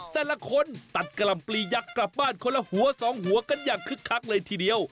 แต่ละคนตัดกะหล่ำปลียักษ์กลับบ้านคนละหัวสองหัวกันอย่างคึกคักเลยทีเดียว